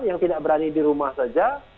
yang tidak berani di rumah saja